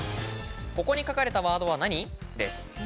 「ここに書かれたワードは何？」です。